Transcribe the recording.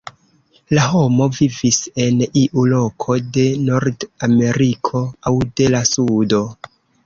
La homo vivis en iu loko de Nord-Ameriko aŭ de la Sudo.